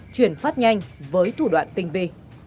chuyển phát nhanh với thủ đoạn tinh vi